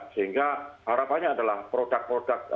sehingga harapannya adalah produk produk